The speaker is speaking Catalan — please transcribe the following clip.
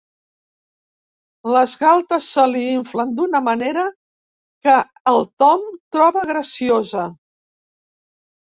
Les galtes se li inflen d'una manera que el Tom troba graciosa.